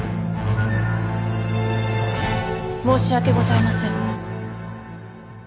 申し訳ございません。